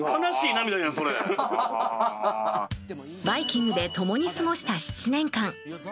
「バイキング」で共に過ごした７年間。